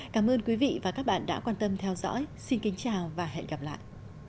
cảm ơn các bạn đã theo dõi xin kính chào và hẹn gặp lại